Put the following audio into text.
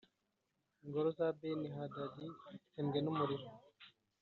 ingoro za Beni‐Hadadi zitsembwe n’umuriro ;